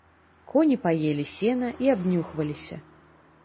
Коні паелі сена і абнюхваліся.